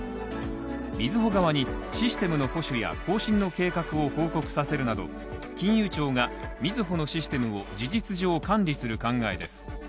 みずほ側にシステムの補修や更新の計画を報告させるなど金融庁がみずほのシステムを事実上管理する考えです